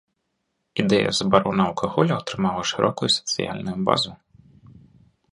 Ідэя забароны алкаголю атрымала шырокую сацыяльную базу.